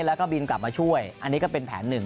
แล้วก็บินกลับมาช่วยอันนี้ก็เป็นแผนหนึ่ง